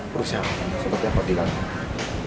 pernah siap seperti apa diangkat